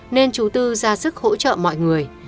nên chú tư ra sức hỗ trợ mọi người